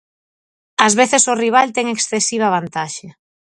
Ás veces o rival ten excesiva vantaxe.